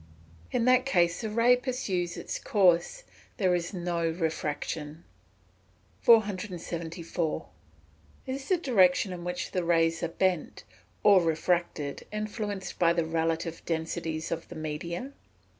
_ In that case the ray pursues its course there is no refraction. 474. _Is the direction in which the rays are bent, or refracted, influenced by the relative densities of the media?